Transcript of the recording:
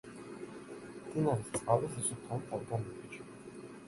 მდინარის წყალი სისუფთავით არ გამოირჩევა.